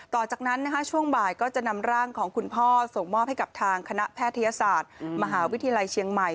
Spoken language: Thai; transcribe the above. ต่อจากนั้นช่วงบ่ายก็จะนำร่างของคุณพ่อส่งมอบให้กับทางคณะแพทยศาสตร์มหาวิทยาลัยเชียงใหม่